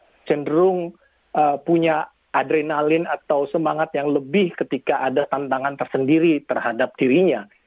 yang cenderung punya adrenalin atau semangat yang lebih ketika ada tantangan tersendiri terhadap dirinya